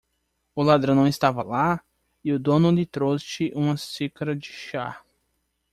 O ladrão não estava lá? e o dono lhe trouxe uma xícara de chá.